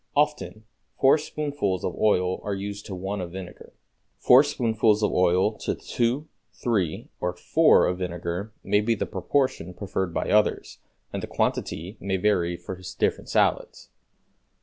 Often four spoonfuls of oil are used to one of vinegar. Four spoonfuls of oil to two, three or four of vinegar may be the proportion preferred by others, and the quantity may vary for different salads.